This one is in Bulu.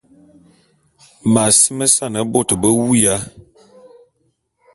M’asimesan bot be wuya.